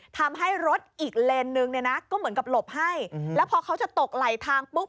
ทำให้รถอีกเลนนึงเนี่ยนะก็เหมือนกับหลบให้แล้วพอเขาจะตกไหลทางปุ๊บ